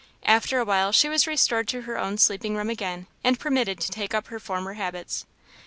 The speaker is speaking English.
After a while she was restored to her own sleeping room again, and permitted to take up her former habits.